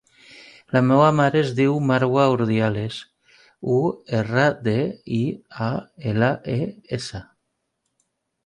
La meva mare es diu Marwa Urdiales: u, erra, de, i, a, ela, e, essa.